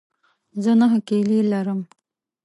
زه نهه کیلې لرم.